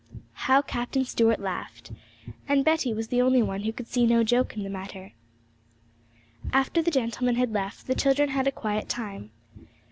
How Captain Stuart laughed! And Betty was the only one who could see no joke in the matter. After the gentlemen had left, the children had a quiet time.